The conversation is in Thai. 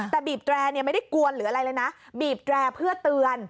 แต่บีบแตรไม่ได้กวนหรืออะไรเลยนะบีบแตร่เพื่อเตือน